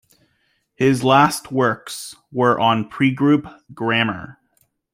His last works were on pregroup grammar.